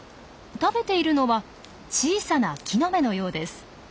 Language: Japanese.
食べているのは小さな木の芽のようです。